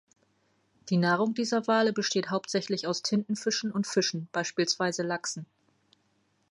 Die Nahrung dieser Wale besteht hauptsächlich aus Tintenfischen und Fischen, beispielsweise Lachsen.